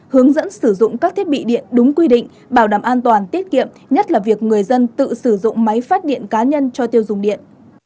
hướng dẫn sử dụng các thiết bị điện đúng quy định bảo đảm an toàn tiết kiệm nhất là việc người dân tự sử dụng máy phát điện cá nhân cho tiêu dùng điện